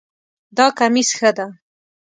دا کمیس ښه ده